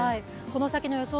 この先の予想